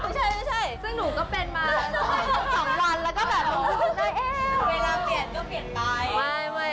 ไม่ใช่ซึ่งหนูก็เป็นมา๒วันแล้วก็แบบ